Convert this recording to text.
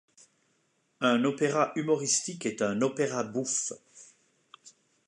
Un opéra humoristique est un opéra bouffe.